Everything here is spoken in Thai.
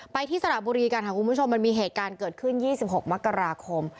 ที่สระบุรีกันค่ะคุณผู้ชมมันมีเหตุการณ์เกิดขึ้น๒๖มกราคม